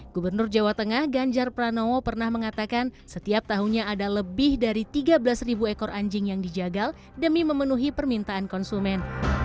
gubernur jawa tengah ganjar pranowo pernah mengatakan setiap tahunnya ada lebih dari tiga belas ekor anjing yang dijagal demi memenuhi permintaan konsumen